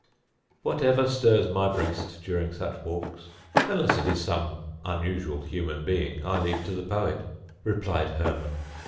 "Whatever stirs my breast during such walks, unless it is some unusual human being, I leave to the poet," replied Hermon.